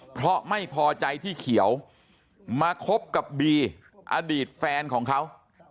เพราะไม่พอใจที่เขียวมาคบกับบีอดีตแฟนของเขา